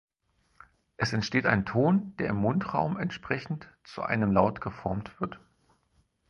Es entsteht ein Ton, der im Mundraum entsprechend zu einem Laut geformt wird.